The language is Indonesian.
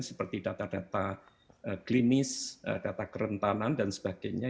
seperti data data klinis data kerentanan dan sebagainya